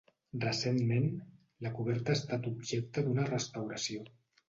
Recentment, la coberta ha estat objecte d'una restauració.